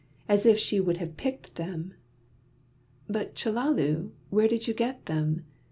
As if she would have picked them! "But, Chellalu, where did you get them?"